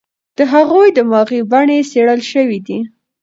د هغوی دماغي بڼې څېړل شوې دي.